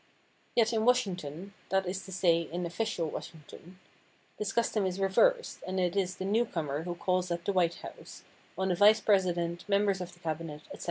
Yet in Washington—that is to say, in official Washington, this custom is reversed, and it is the newcomer who calls at the White House, on the vice president, members of the cabinet, etc.